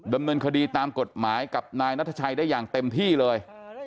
ดำเนินคดีตามกฎหมายกับนายนัทชัยได้อย่างเต็มที่เลย